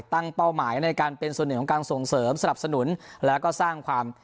เป้าหมายในการเป็นส่วนหนึ่งของการส่งเสริมสนับสนุนแล้วก็สร้างความ